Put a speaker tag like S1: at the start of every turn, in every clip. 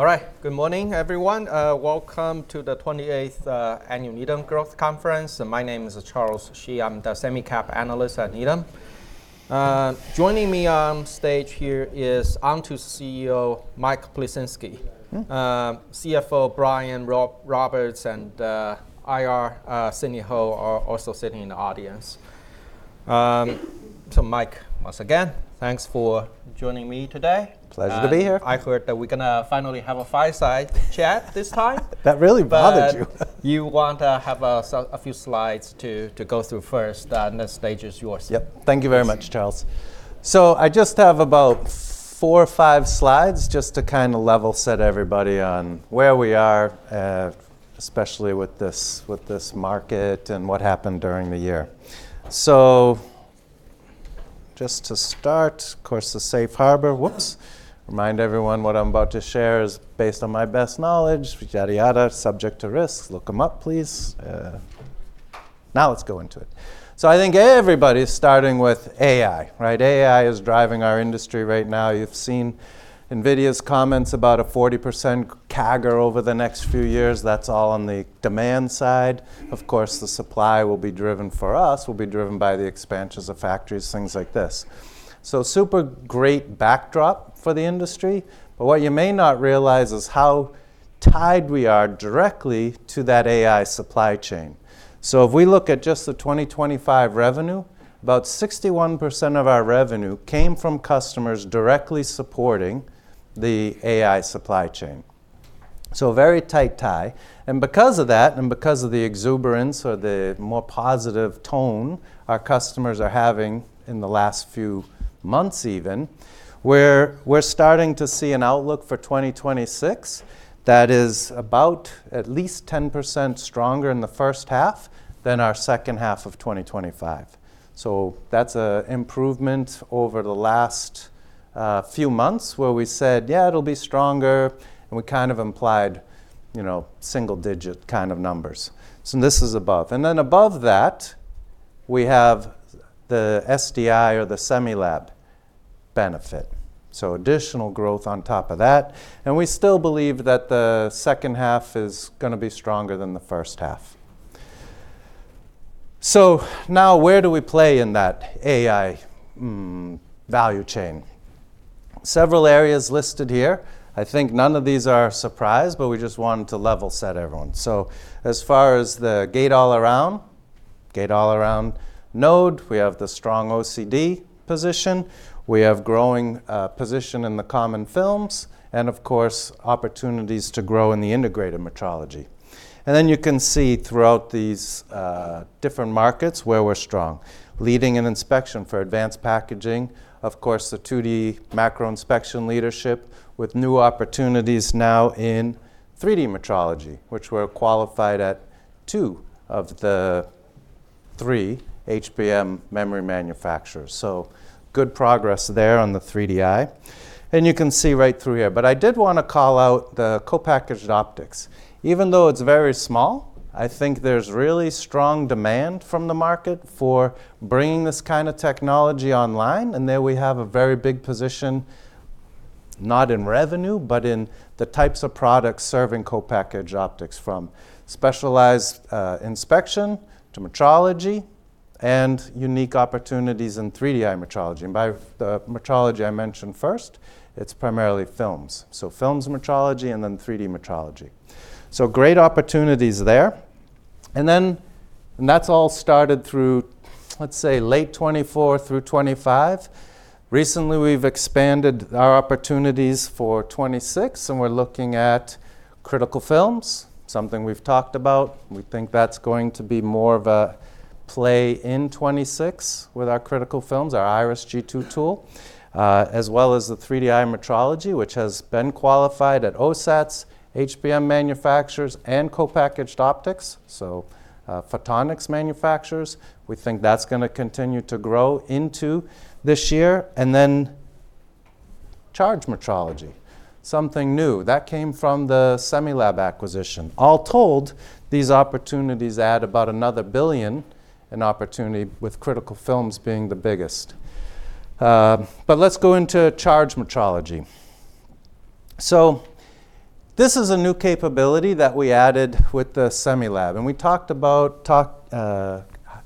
S1: All right. Good morning, everyone. Welcome to the 28th Annual Needham Growth Conference. My name is Charles Sheehan. I'm the semi-cap analyst at Needham. Joining me on stage here is Onto CEO Mike Plisinski, CFO Brian Roberts, and IR Sidney Ho are also sitting in the audience. So, Mike, once again, thanks for joining me today.
S2: Pleasure to be here.
S1: I heard that we're going to finally have a fireside chat this time.
S2: That really bothered you.
S1: You want to have a few slides to go through first. The next stage is yours.
S2: Yep. Thank you very much, Charles. So I just have about four or five slides just to kind of level set everybody on where we are, especially with this market and what happened during the year. So just to start, of course, the safe harbor. Whoops. Remind everyone what I'm about to share is based on my best knowledge, yada yada, subject to risks. Look them up, please. Now let's go into it. So I think everybody's starting with AI, right? AI is driving our industry right now. You've seen NVIDIA's comments about a 40% CAGR over the next few years. That's all on the demand side. Of course, the supply will be driven for us. It will be driven by the expansions of factories, things like this. So super great backdrop for the industry. What you may not realize is how tied we are directly to that AI supply chain. If we look at just the 2025 revenue, about 61% of our revenue came from customers directly supporting the AI supply chain. A very tight tie. Because of that, and because of the exuberance or the more positive tone our customers are having in the last few months even, we're starting to see an outlook for 2026 that is about at least 10% stronger in the first half than our second half of 2025. That's an improvement over the last few months where we said, yeah, it'll be stronger. We kind of implied single-digit kind of numbers. This is above. Then above that, we have the SDI or the Semilab benefit. Additional growth on top of that. We still believe that the second half is going to be stronger than the first half. Now where do we play in that AI value chain? Several areas listed here. I think none of these are a surprise, but we just wanted to level set everyone. As far as the gate-all-around, gate-all-around node, we have the strong OCD position. We have growing position in the common films. Of course, opportunities to grow in the integrated metrology. Then you can see throughout these different markets where we're strong. Leading in inspection for advanced packaging. Of course, the 2D macro inspection leadership with new opportunities now in 3D metrology, which we're qualified at two of the three HBM memory manufacturers. Good progress there on the 3DI. You can see right through here. But I did want to call out the co-packaged optics. Even though it's very small, I think there's really strong demand from the market for bringing this kind of technology online. And there we have a very big position, not in revenue, but in the types of products serving co-packaged optics from specialized inspection to metrology and unique opportunities in 3DI metrology. And by the metrology I mentioned first, it's primarily films. So films metrology and then 3D metrology. So great opportunities there. And then that's all started through, let's say, late 2024 through 2025. Recently, we've expanded our opportunities for 2026. And we're looking at critical films, something we've talked about. We think that's going to be more of a play in 2026 with our critical films, our Iris G2 tool, as well as the 3DI metrology, which has been qualified at OSATs, HBM manufacturers, and co-packaged optics, so photonics manufacturers. We think that's going to continue to grow into this year, and then charge metrology, something new. That came from the SDI acquisition. All told, these opportunities add about another $1 billion in opportunity with critical films being the biggest, but let's go into charge metrology, so this is a new capability that we added with the SDI, and we talked about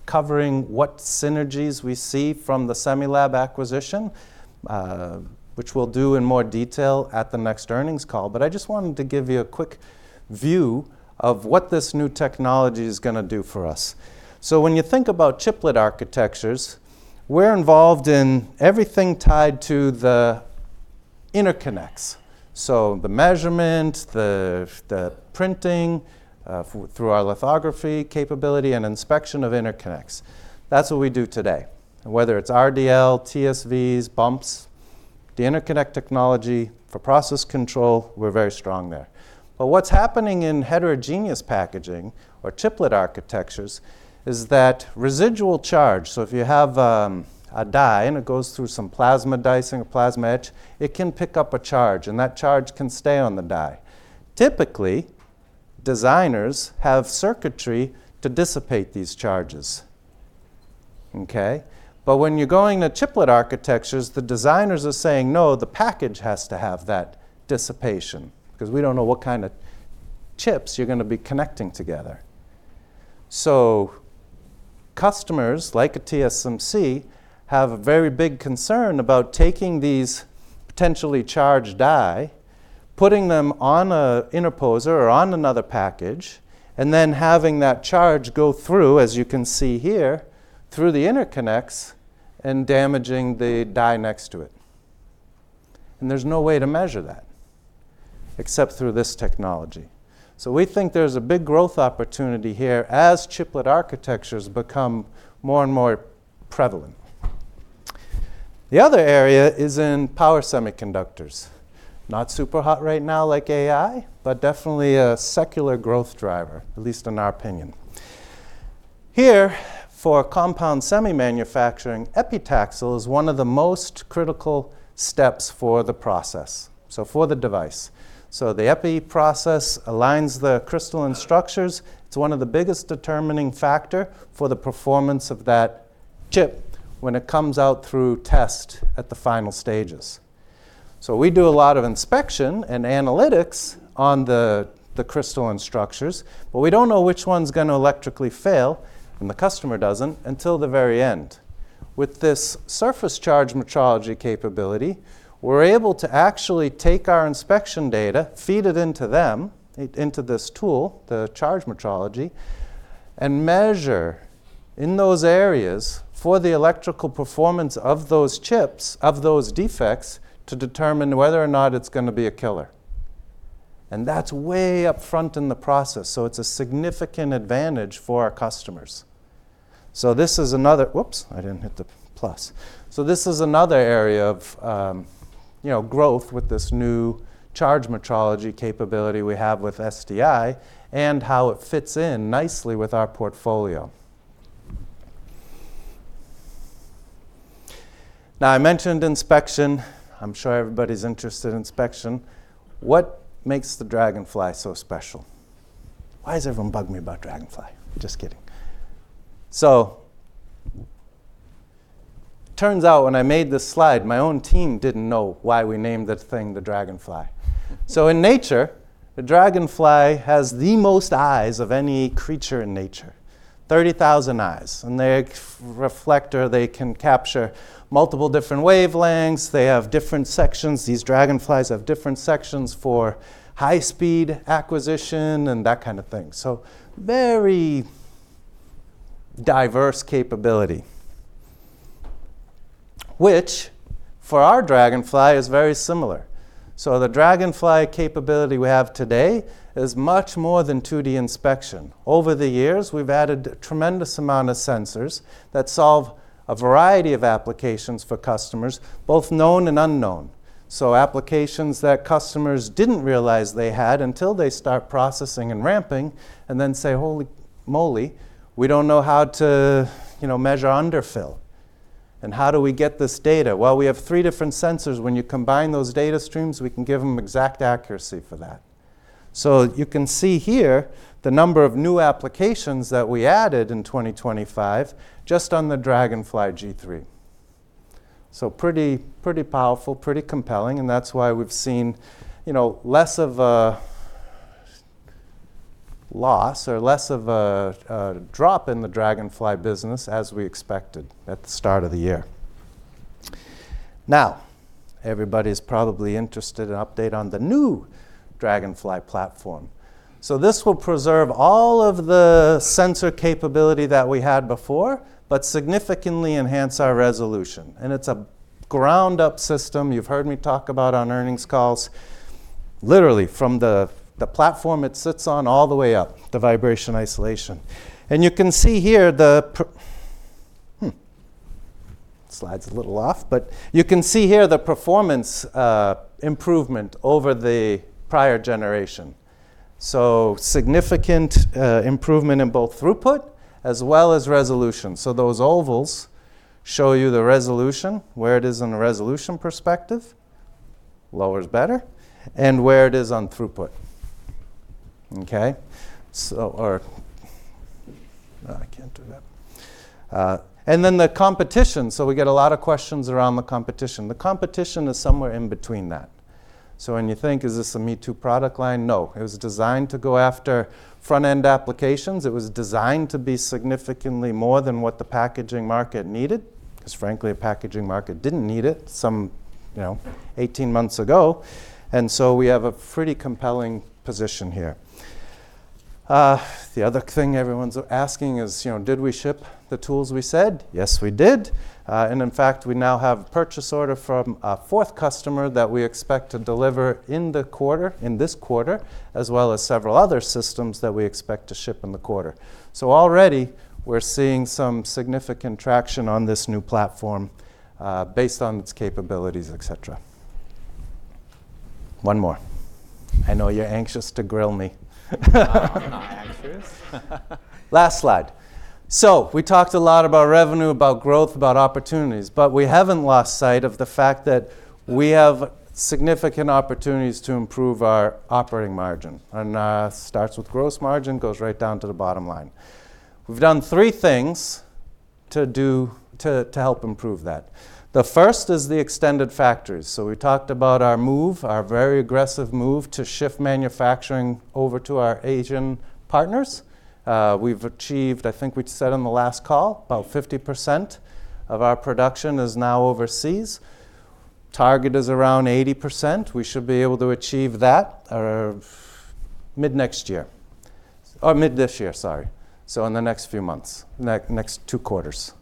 S2: covering what synergies we see from the SDI acquisition, which we'll do in more detail at the next earnings call, but I just wanted to give you a quick view of what this new technology is going to do for us. When you think about chiplet architectures, we're involved in everything tied to the interconnects. The measurement, the printing through our lithography capability and inspection of interconnects. That's what we do today. Whether it's RDL, TSVs, bumps, the interconnect technology for process control, we're very strong there. What's happening in heterogeneous packaging or chiplet architectures is that residual charge. If you have a die and it goes through some plasma dicing or plasma etching, it can pick up a charge. That charge can stay on the die. Typically, designers have circuitry to dissipate these charges. When you're going to chiplet architectures, the designers are saying, no, the package has to have that dissipation because we don't know what kind of chips you're going to be connecting together. So customers like TSMC have a very big concern about taking these potentially charged die, putting them on an interposer or on another package, and then having that charge go through, as you can see here, through the interconnects and damaging the die next to it. And there's no way to measure that except through this technology. So we think there's a big growth opportunity here as chiplet architectures become more and more prevalent. The other area is in power semiconductors. Not super hot right now like AI, but definitely a secular growth driver, at least in our opinion. Here, for compound semi-manufacturing, epitaxial is one of the most critical steps for the process, so for the device. So the Epi process aligns the crystalline structures. It's one of the biggest determining factors for the performance of that chip when it comes out through test at the final stages. So we do a lot of inspection and analytics on the crystalline structures. But we don't know which one's going to electrically fail and the customer doesn't until the very end. With this surface charge metrology capability, we're able to actually take our inspection data, feed it into them, into this tool, the charge metrology, and measure in those areas for the electrical performance of those chips, of those defects to determine whether or not it's going to be a killer. And that's way up front in the process. So it's a significant advantage for our customers. So this is another whoops, I didn't hit the plus. So this is another area of growth with this new charge metrology capability we have with SDI and how it fits in nicely with our portfolio. Now, I mentioned inspection. I'm sure everybody's interested in inspection. What makes the Dragonfly so special? Why does everyone bug me about Dragonfly? Just kidding. So it turns out when I made this slide, my own team didn't know why we named that thing the Dragonfly. So in nature, the Dragonfly has the most eyes of any creature in nature, 30,000 eyes. And their reflector, they can capture multiple different wavelengths. They have different sections. These Dragonflies have different sections for high-speed acquisition and that kind of thing. So very diverse capability, which for our Dragonfly is very similar. So the Dragonfly capability we have today is much more than 2D inspection. Over the years, we've added a tremendous amount of sensors that solve a variety of applications for customers, both known and unknown. So applications that customers didn't realize they had until they start processing and ramping and then say, holy moly, we don't know how to measure underfill. And how do we get this data? Well, we have three different sensors. When you combine those data streams, we can give them exact accuracy for that. So you can see here the number of new applications that we added in 2025 just on the Dragonfly G3. So pretty powerful, pretty compelling. And that's why we've seen less of a loss or less of a drop in the Dragonfly business as we expected at the start of the year. Now, everybody's probably interested in an update on the new Dragonfly platform. So this will preserve all of the sensor capability that we had before, but significantly enhance our resolution. And it's a ground-up system you've heard me talk about on earnings calls, literally from the platform it sits on all the way up, the vibration isolation. You can see here the slides a little off, but you can see here the performance improvement over the prior generation. There is significant improvement in both throughput as well as resolution. Those ovals show you the resolution, where it is in a resolution perspective, lower is better, and where it is on throughput. Then the competition. We get a lot of questions around the competition. The competition is somewhere in between that. When you think, is this a me-too product line? No, it was designed to go after front-end applications. It was designed to be significantly more than what the packaging market needed because, frankly, a packaging market didn't need it some 18 months ago. We have a pretty compelling position here. The other thing everyone's asking is, did we ship the tools we said? Yes, we did. And in fact, we now have a purchase order from a fourth customer that we expect to deliver in this quarter, as well as several other systems that we expect to ship in the quarter. So already, we're seeing some significant traction on this new platform based on its capabilities, et cetera. One more. I know you're anxious to grill me. I'm not anxious. Last slide. So we talked a lot about revenue, about growth, about opportunities. But we haven't lost sight of the fact that we have significant opportunities to improve our operating margin. And it starts with gross margin, goes right down to the bottom line. We've done three things to help improve that. The first is the extended factories. So we talked about our move, our very aggressive move to shift manufacturing over to our Asian partners. We've achieved, I think we said on the last call, about 50% of our production is now overseas. Target is around 80%. We should be able to achieve that mid next year or mid this year, sorry, so in the next few months, next two quarters,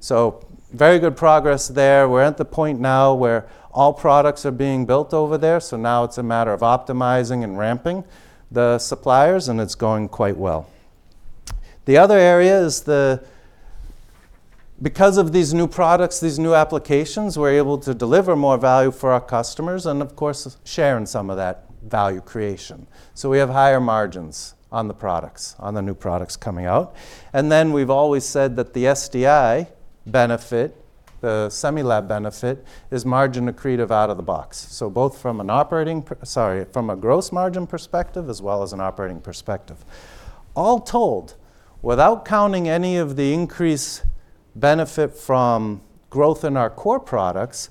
S2: so very good progress there. We're at the point now where all products are being built over there, so now it's a matter of optimizing and ramping the suppliers, and it's going quite well. The other area is because of these new products, these new applications, we're able to deliver more value for our customers and, of course, share in some of that value creation, so we have higher margins on the products, on the new products coming out. And then we've always said that the SDI benefit, the Semilab benefit, is margin accretive out of the box. So both from a gross margin perspective as well as an operating perspective. All told, without counting any of the increased benefit from growth in our core products,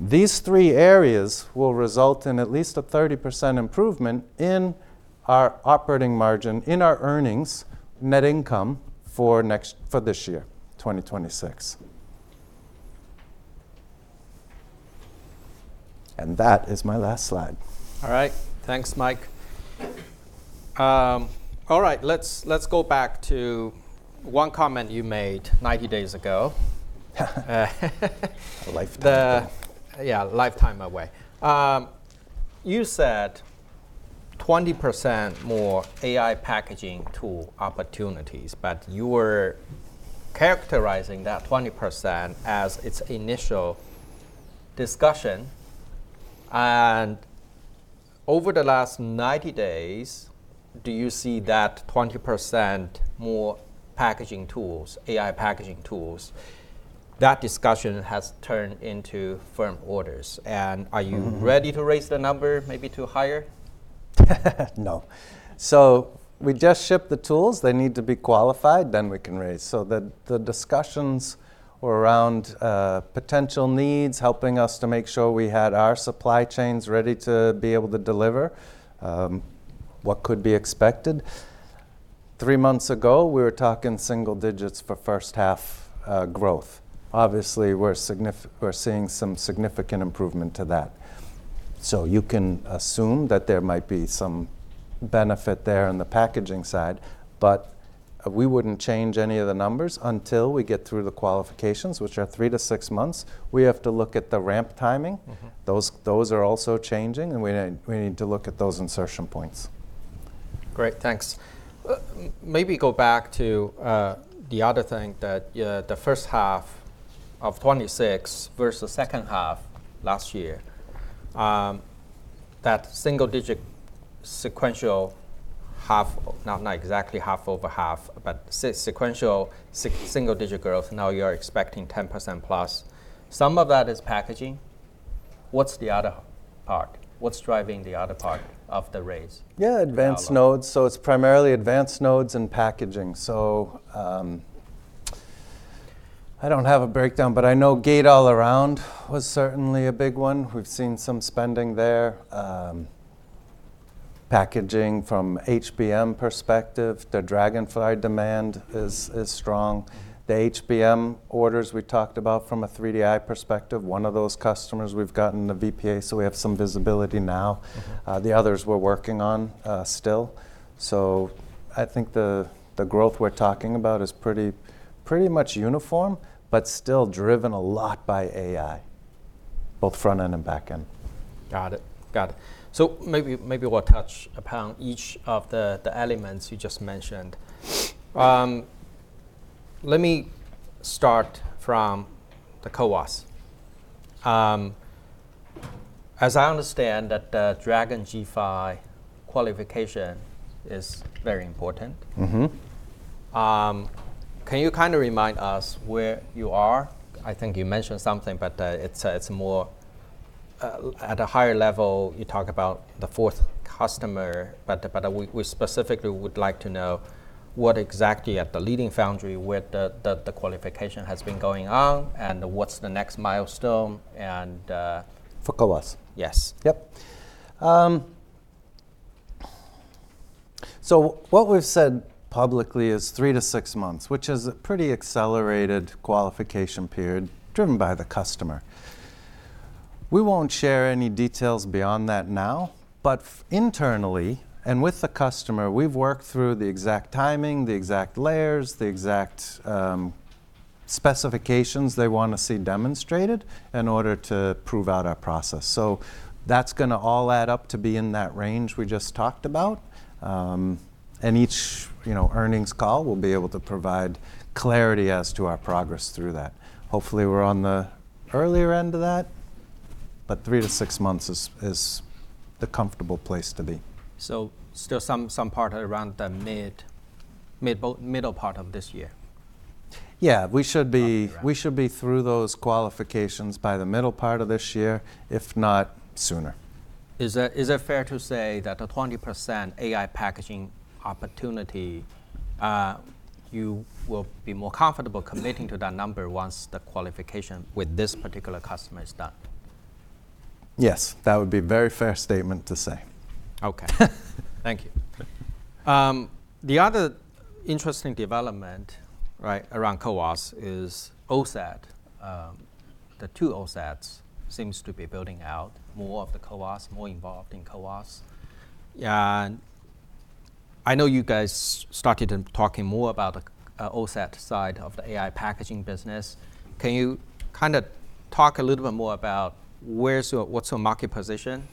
S2: these three areas will result in at least a 30% improvement in our operating margin, in our earnings, net income for this year, 2026. And that is my last slide.
S1: All right. Thanks, Mike. All right. Let's go back to one comment you made 90 days ago. A lifetime. Yeah, a lifetime away. You said 20% more AI packaging tool opportunities. But you were characterizing that 20% as its initial discussion. And over the last 90 days, do you see that 20% more packaging tools, AI packaging tools, that discussion has turned into firm orders? And are you ready to raise the number, maybe to higher?
S2: No. So we just ship the tools. They need to be qualified. Then we can raise. So the discussions were around potential needs, helping us to make sure we had our supply chains ready to be able to deliver what could be expected. Three months ago, we were talking single digits for first-half growth. Obviously, we're seeing some significant improvement to that. So you can assume that there might be some benefit there on the packaging side. But we wouldn't change any of the numbers until we get through the qualifications, which are three to six months. We have to look at the ramp timing. Those are also changing. And we need to look at those insertion points.
S1: Great. Thanks. Maybe go back to the other thing, the first half of 2026 versus second half last year, that single-digit sequential half, not exactly half over half, but sequential single-digit growth. Now you're expecting 10%+. Some of that is packaging. What's the other part? What's driving the other part of the raise?
S2: Yeah, advanced nodes. So it's primarily advanced nodes and packaging. So I don't have a breakdown. But I know gate-all-around was certainly a big one. We've seen some spending there. Packaging from HBM perspective, the Dragonfly demand is strong. The HBM orders we talked about from a 3DI perspective, one of those customers we've gotten the VPA, so we have some visibility now. The others we're working on still. So I think the growth we're talking about is pretty much uniform, but still driven a lot by AI, both front end and back end.
S1: Got it. Got it. So maybe we'll touch upon each of the elements you just mentioned. Let me start from the CPOs. As I understand that the Dragonfly G5 qualification is very important. Can you kind of remind us where you are? I think you mentioned something, but it's more at a higher level. You talk about the fourth customer, but we specifically would like to know what exactly at the leading foundry where the qualification has been going on and what's the next milestone, and for CPOs.
S2: Yes. Yep, so what we've said publicly is three to six months, which is a pretty accelerated qualification period driven by the customer. We won't share any details beyond that now, but internally and with the customer, we've worked through the exact timing, the exact layers, the exact specifications they want to see demonstrated in order to prove out our process, so that's going to all add up to be in that range we just talked about, and each earnings call, we'll be able to provide clarity as to our progress through that. Hopefully, we're on the earlier end of that. But three to six months is the comfortable place to be.
S1: So still some part around the middle part of this year.
S2: Yeah. We should be through those qualifications by the middle part of this year, if not sooner.
S1: Is it fair to say that the 20% AI packaging opportunity, you will be more comfortable committing to that number once the qualification with this particular customer is done?
S2: Yes. That would be a very fair statement to say.
S1: Okay. Thank you. The other interesting development around CPOs is OSAT. The two OSATs seem to be building out more of the CPOs, more involved in CPOs. And I know you guys started talking more about the OSAT side of the AI packaging business. Can you kind of talk a little bit more about what's your market position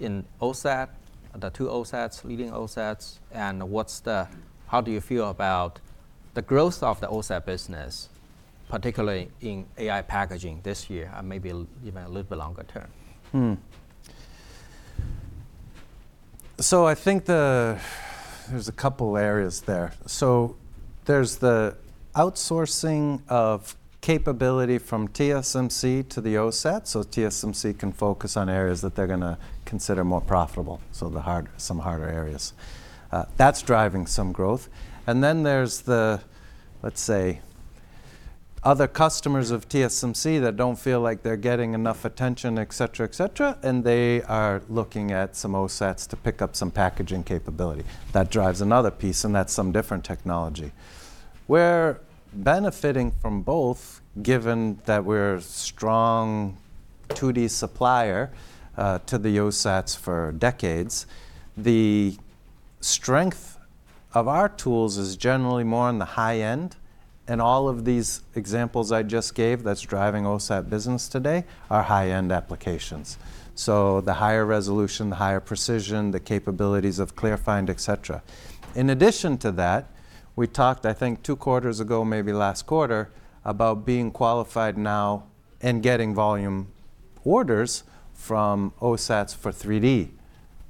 S1: in OSAT, the two OSATs, leading OSATs, and how do you feel about the growth of the OSAT business, particularly in AI packaging this year, maybe even a little bit longer term?
S2: So I think there's a couple of areas there. So there's the outsourcing of capability from TSMC to the OSAT. So TSMC can focus on areas that they're going to consider more profitable, so some harder areas. That's driving some growth. And then there's the, let's say, other customers of TSMC that don't feel like they're getting enough attention, et cetera, et cetera. And they are looking at some OSATs to pick up some packaging capability. That drives another piece. And that's some different technology. We're benefiting from both, given that we're a strong 2D supplier to the OSATs for decades. The strength of our tools is generally more on the high end, and all of these examples I just gave, that's driving OSAT business today, are high-end applications, so the higher resolution, the higher precision, the capabilities of ClearFind, et cetera. In addition to that, we talked, I think, two quarters ago, maybe last quarter, about being qualified now and getting volume orders from OSATs for 3D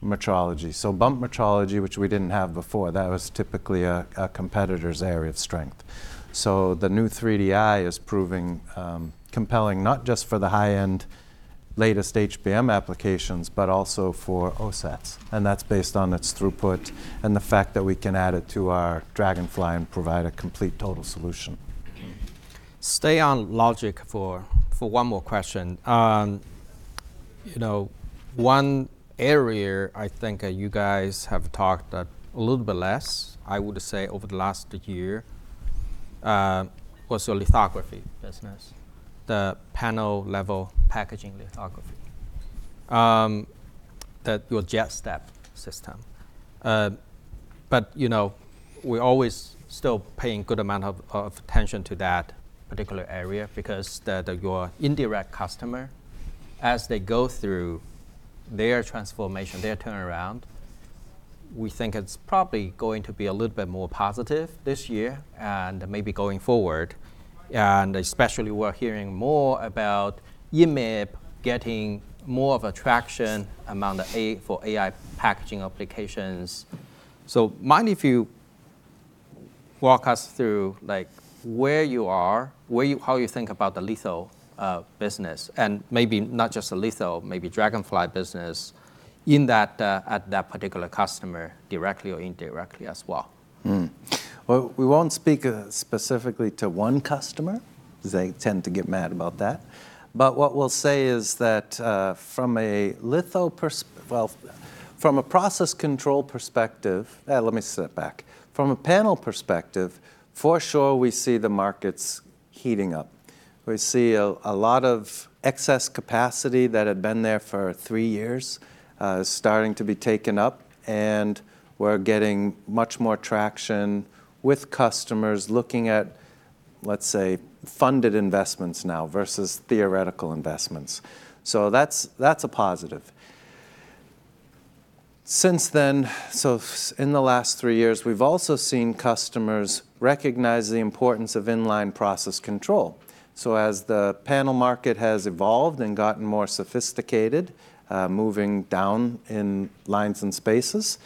S2: metrology, so bump metrology, which we didn't have before. That was typically a competitor's area of strength, so the new 3DI is proving compelling, not just for the high-end latest HBM applications, but also for OSATs, and that's based on its throughput and the fact that we can add it to our Dragonfly and provide a complete total solution.
S1: Stay on logic for one more question. One area I think you guys have talked a little bit less, I would say, over the last year was your lithography business, the panel-level packaging lithography, that your JetStep system. But we're always still paying a good amount of attention to that particular area because your indirect customer, as they go through their transformation, their turnaround, we think it's probably going to be a little bit more positive this year and maybe going forward. And especially, we're hearing more about EMIB getting more of a traction among the AI packaging applications. So mind if you walk us through where you are, how you think about the litho business, and maybe not just a litho, maybe Dragonfly business, at that particular customer directly or indirectly as well. We won't speak specifically to one customer because they tend to get mad about that.
S2: But what we'll say is that from a level. Well, from a process control perspective, let me step it back. From a panel perspective, for sure, we see the markets heating up. We see a lot of excess capacity that had been there for three years starting to be taken up. And we're getting much more traction with customers looking at, let's say, funded investments now versus theoretical investments. So that's a positive. Since then, so in the last three years, we've also seen customers recognize the importance of inline process control. So as the panel market has evolved and gotten more sophisticated, moving down in lines and spaces,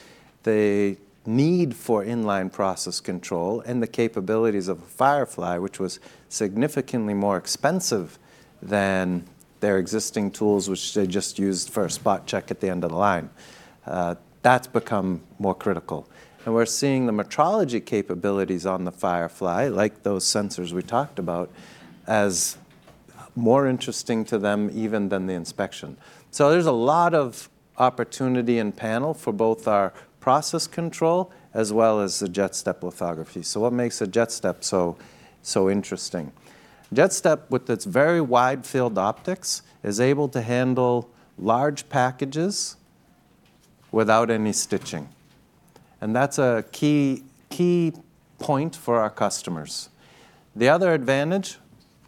S2: the need for inline process control and the capabilities of Firefly, which was significantly more expensive than their existing tools, which they just used for a spot check at the end of the line, that's become more critical. We're seeing the metrology capabilities on the Firefly, like those sensors we talked about, as more interesting to them even than the inspection. There's a lot of opportunity in panel for both our process control as well as the JetStep lithography. What makes a JetStep so interesting? JetStep, with its very wide-field optics, is able to handle large packages without any stitching. That's a key point for our customers. The other advantage,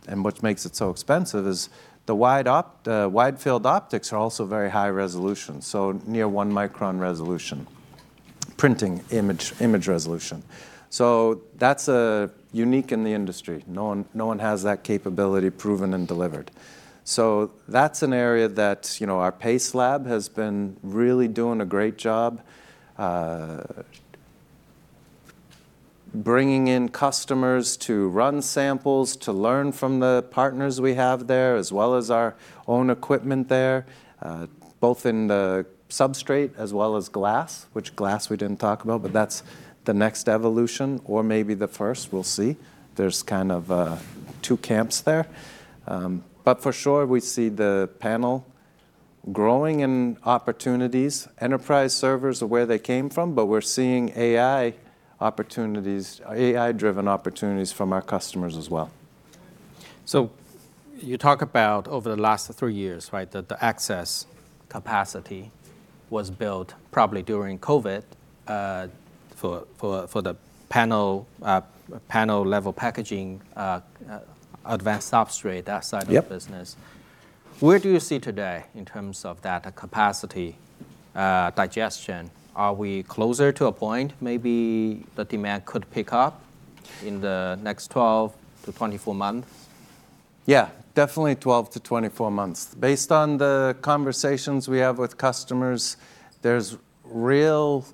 S2: and which makes it so expensive, is the wide-field optics are also very high resolution, so near one micron resolution, printing image resolution. That's unique in the industry. No one has that capability proven and delivered. So that's an area that our PACE Lab has been really doing a great job bringing in customers to run samples, to learn from the partners we have there, as well as our own equipment there, both in the substrate as well as glass, which glass we didn't talk about. But that's the next evolution, or maybe the first. We'll see. There's kind of two camps there. But for sure, we see the panel growing in opportunities. Enterprise servers are where they came from. But we're seeing AI-driven opportunities from our customers as well.
S1: So you talk about over the last three years, right, that the excess capacity was built probably during COVID for the panel-level packaging advanced substrate side of the business. Where do you see today in terms of that capacity digestion? Are we closer to a point maybe the demand could pick up in the next 12-24 months?
S2: Yeah, definitely 12-24 months. Based on the conversations we have with customers, there's real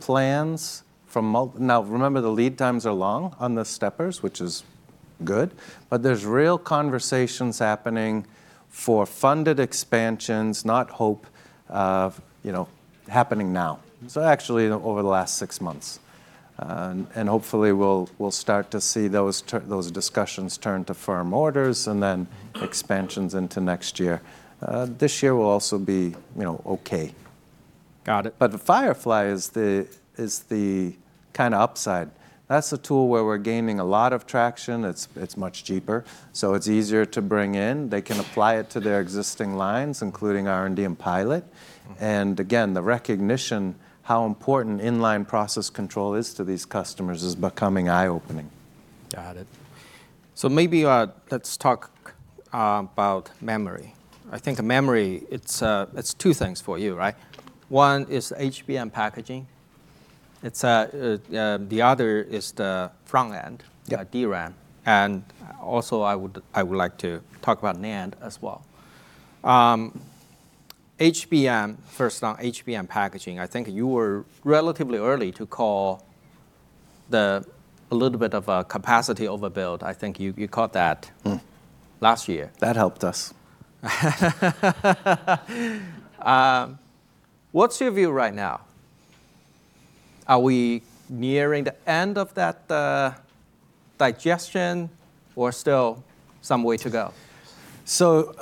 S2: plans from now. Remember, the lead times are long on the steppers, which is good. But there's real conversations happening for funded expansions, not hope, happening now, so actually over the last six months. And hopefully, we'll start to see those discussions turn to firm orders and then expansions into next year. This year will also be OK.
S1: Got it.
S2: But Firefly is the kind of upside. That's a tool where we're gaining a lot of traction. It's much cheaper. So it's easier to bring in. They can apply it to their existing lines, including R&D and pilot. And again, the recognition how important inline process control is to these customers is becoming eye-opening.
S1: Got it. So maybe let's talk about memory. I think memory, it's two things for you, right? One is HBM packaging. The other is the front end, DRAM. And also, I would like to talk about NAND as well. First on HBM packaging, I think you were relatively early to call a little bit of a capacity overbuild. I think you caught that last year. That helped us. What's your view right now? Are we nearing the end of that digestion, or still some way to go?
S2: So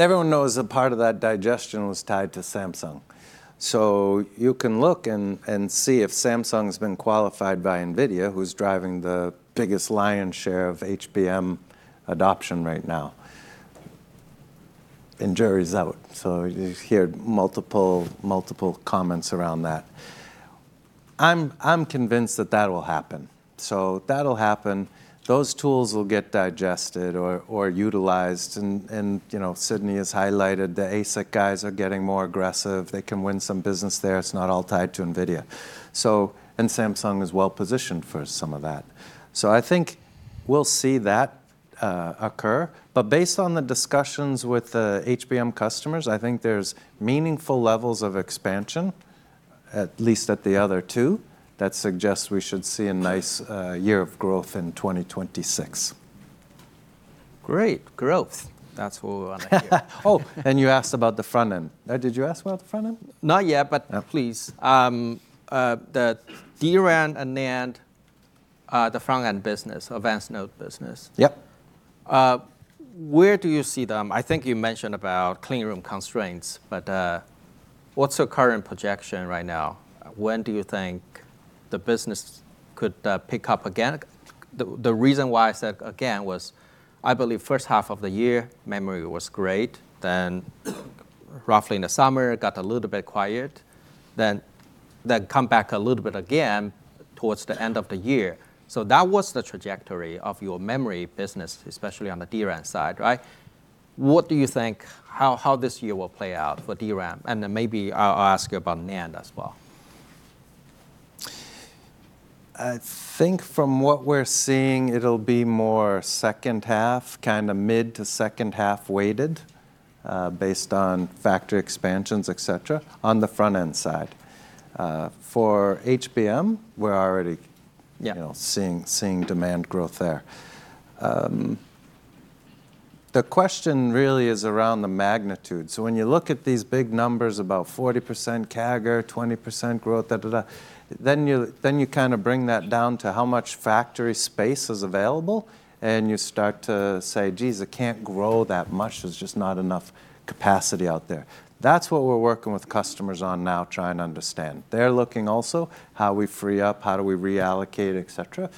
S2: everyone knows a part of that digestion was tied to Samsung. So you can look and see if Samsung's been qualified by NVIDIA, who's driving the biggest lion's share of HBM adoption right now, and they're out. So you hear multiple comments around that. I'm convinced that that will happen. So that'll happen. Those tools will get digested or utilized. And Sidney has highlighted the ASIC guys are getting more aggressive. They can win some business there. It's not all tied to NVIDIA. So. And Samsung is well positioned for some of that. So I think we'll see that occur. But based on the discussions with the HBM customers, I think there's meaningful levels of expansion, at least at the other two, that suggests we should see a nice year of growth in 2026.
S1: Great. Growth. That's what we want to hear. Oh, and you asked about the front end.
S2: Did you ask about the front end?
S1: Not yet, but please. The DRAM and NAND, the front-end business, advanced node business. Yep. Where do you see them? I think you mentioned about clean room constraints. But what's your current projection right now? When do you think the business could pick up again? The reason why I said again was, I believe, first half of the year, memory was great. Then roughly in the summer, it got a little bit quiet. Then come back a little bit again towards the end of the year. So that was the trajectory of your memory business, especially on the DRAM side, right? What do you think how this year will play out for DRAM? And then maybe I'll ask you about NAND as well.
S2: I think from what we're seeing, it'll be more second half, kind of mid to second half weighted, based on factory expansions, et cetera, on the front end side. For HBM, we're already seeing demand growth there. The question really is around the magnitude. So when you look at these big numbers, about 40% CAGR, 20% growth, then you kind of bring that down to how much factory space is available. And you start to say, geez, it can't grow that much. There's just not enough capacity out there. That's what we're working with customers on now, trying to understand. They're looking also how we free up, how do we reallocate, et cetera.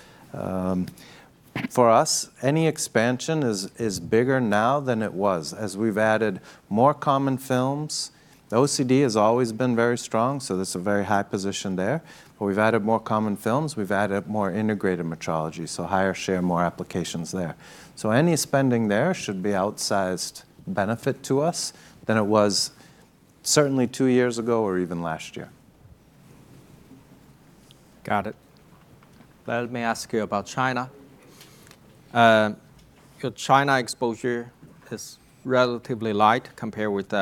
S2: For us, any expansion is bigger now than it was, as we've added more common films. OCD has always been very strong, so that's a very high position there. But we've added more common films. We've added more integrated metrology, so higher share, more applications there. So any spending there should be outsized benefit to us than it was certainly two years ago or even last year.
S1: Got it. Let me ask you about China. Your China exposure is relatively light compared with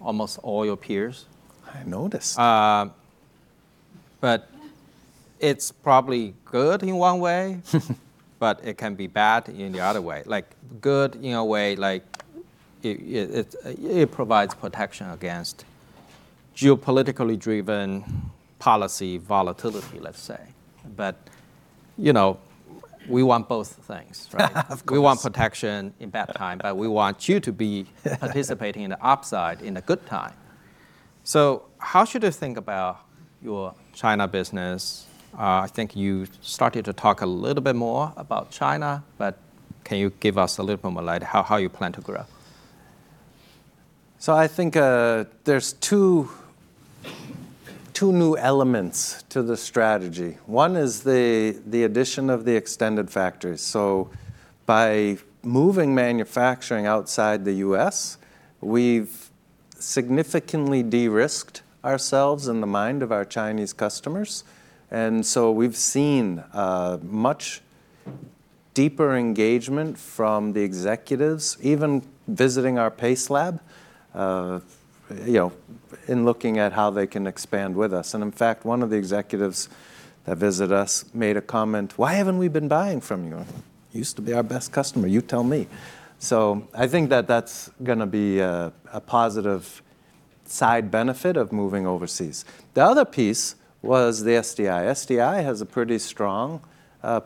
S1: almost all your peers.
S2: I noticed.
S1: But it's probably good in one way, but it can be bad in the other way. Good in a way, it provides protection against geopolitically driven policy volatility, let's say. But we want both things, right? Of course. We want protection in bad time, but we want you to be participating in the upside in the good time. So how should you think about your China business? I think you started to talk a little bit more about China. But can you shed a little bit more light on how you plan to grow?
S2: So I think there's two new elements to the strategy. One is the addition of the Asian factories. So by moving manufacturing outside the U.S., we've significantly de-risked ourselves in the mind of our Chinese customers. And so we've seen much deeper engagement from the executives, even visiting our PACE Lab, in looking at how they can expand with us. In fact, one of the executives that visited us made a comment, "Why haven't we been buying from you? You used to be our best customer. You tell me." So I think that that's going to be a positive side benefit of moving overseas. The other piece was the SDI. SDI has a pretty strong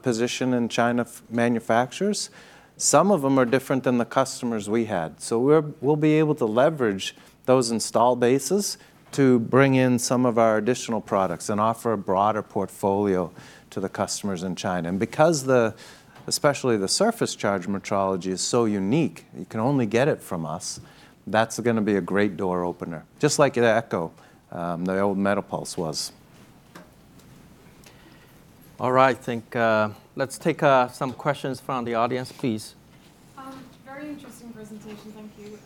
S2: position in Chinese manufacturers. Some of them are different than the customers we had. So we'll be able to leverage those installed bases to bring in some of our additional products and offer a broader portfolio to the customers in China. And because especially the surface charge metrology is so unique, you can only get it from us, that's going to be a great door opener, just like Echo, the old MetaPULSE was.
S1: All right. I think let's take some questions from the audience, please. Very interesting presentation. Thank you.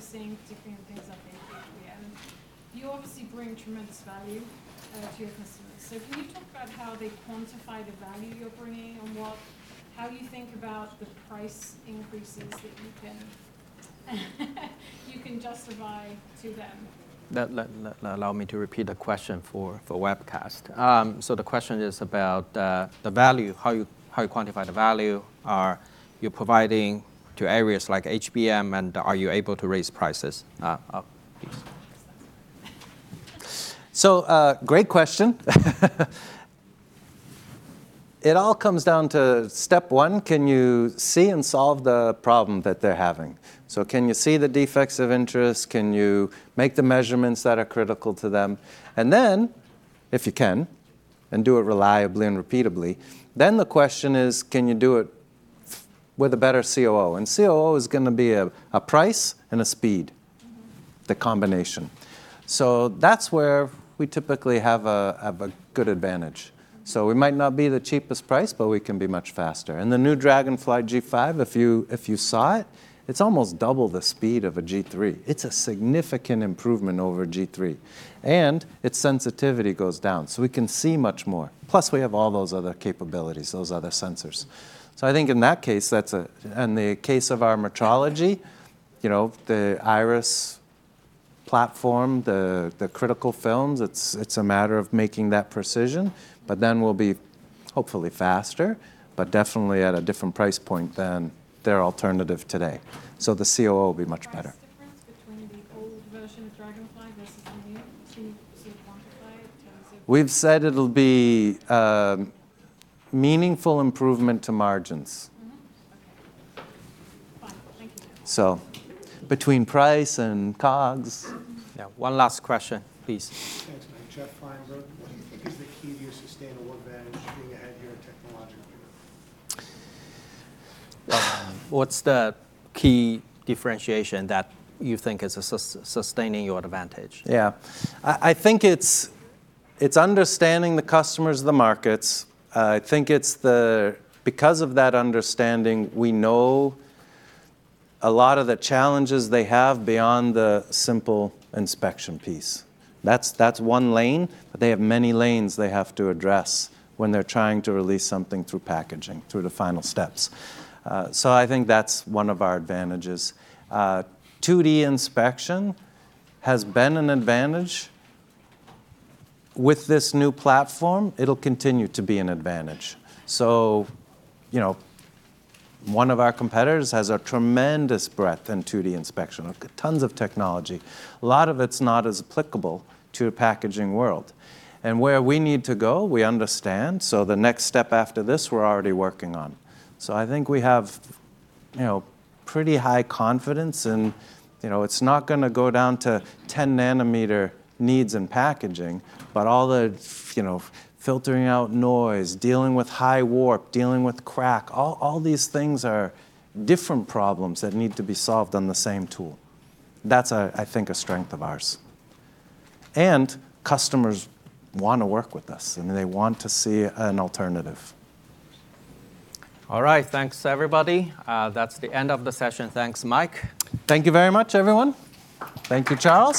S3: Given the tight capacity that we're seeing particularly in things like HBM, you obviously bring tremendous value to your customers. So can you talk about how they quantify the value you're bringing and how you think about the price increases that you can justify to them?
S2: Allow me to repeat the question for webcast. So the question is about the value, how you quantify the value you are providing to areas like HBM, and are you able to raise prices? So great question. It all comes down to step one, can you see and solve the problem that they're having? So can you see the defects of interest? Can you make the measurements that are critical to them? And then, if you can, and do it reliably and repeatedly, then the question is, can you do it with a better COO? And COO is going to be a price and a speed, the combination. So that's where we typically have a good advantage. So we might not be the cheapest price, but we can be much faster. And the new Dragonfly G5, if you saw it, it's almost double the speed of a G3. It's a significant improvement over G3. And its sensitivity goes down. So we can see much more. Plus, we have all those other capabilities, those other sensors. So I think in that case, and the case of our metrology, the Iris platform, the critical films, it's a matter of making that precision. But then we'll be hopefully faster, but definitely at a different price point than their alternative today. So the COO will be much better.
S3: What's the difference between the old version of Dragonfly versus the new, so you quantify it in terms of?
S2: We've said it'll be meaningful improvement to margins.
S3: OK. Fine. Thank you.
S2: So between price and COGS. Yeah. One last question, please.
S3: Thanks, Mike. Jeff Feinberg, what do you think is the key to your sustainable advantage being ahead here at Onto Innovation? What's the key differentiation that you think is sustaining your advantage?
S2: Yeah. I think it's understanding the customers, the markets. I think it's because of that understanding, we know a lot of the challenges they have beyond the simple inspection piece. That's one lane, but they have many lanes they have to address when they're trying to release something through packaging, through the final steps. So I think that's one of our advantages. 2D inspection has been an advantage. With this new platform, it'll continue to be an advantage. So one of our competitors has a tremendous breadth in 2D inspection, tons of technology. A lot of it's not as applicable to a packaging world, and where we need to go, we understand, so the next step after this, we're already working on, so I think we have pretty high confidence in that it's not going to go down to 10 nanometer needs in packaging, but all the filtering out noise, dealing with high warp, dealing with crack, all these things are different problems that need to be solved on the same tool. That's, I think, a strength of ours, and customers want to work with us, and they want to see an alternative.
S1: All right. Thanks, everybody. That's the end of the session. Thanks, Mike. Thank you very much, everyone.
S2: Thank you, Charles.